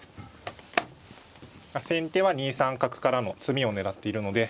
先手は２三角からの詰みを狙っているので。